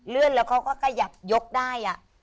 เลื่อนแล้วก็กระหยับยกได้